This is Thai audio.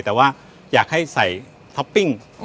แต่ว่าอยากให้ใส่ท็อปปิ้ง